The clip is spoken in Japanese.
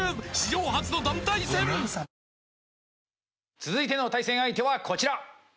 続いての対戦相手はこちら！